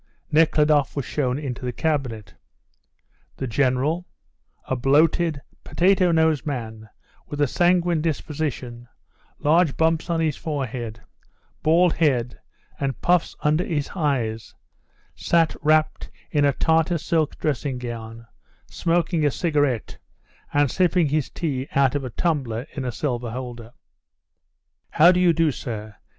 Nekhludoff was shown into the cabinet. The General, a bloated, potato nosed man, with a sanguine disposition, large bumps on his forehead, bald head, and puffs under his eyes, sat wrapped in a Tartar silk dressing gown smoking a cigarette and sipping his tea out of a tumbler in a silver holder. "How do you do, sir?